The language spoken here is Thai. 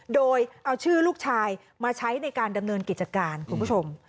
โดยเอาชื่อลูกชายมาใช้ในการดำเนินกิจการคุณผู้ชม